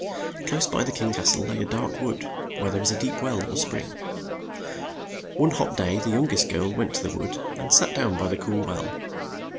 Close by the king's cas tle lay a dark wood where there was a deep well or spring. One hot day the young est girl went to the wood and sat down by the cool well.